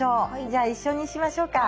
じゃあ一緒にしましょうか。